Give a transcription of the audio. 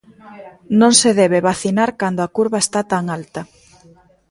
Non se debe vacinar cando a curva está tan alta.